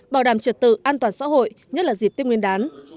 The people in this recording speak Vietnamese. bảo đảm trượt tự an toàn xã hội nhất là dịp tiêm nguyên đán